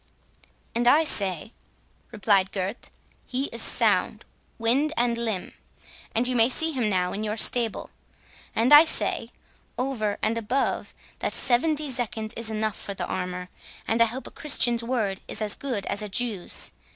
"And I say," replied Gurth, "he is sound, wind and limb; and you may see him now, in your stable. And I say, over and above, that seventy zecchins is enough for the armour, and I hope a Christian's word is as good as a Jew's.